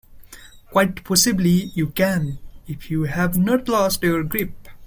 Quite possibly you can, if you have not lost your grip.